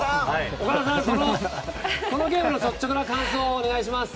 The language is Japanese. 岡田さん、このゲームの率直な感想をお願いします。